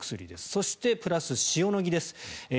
そして、プラス塩野義です。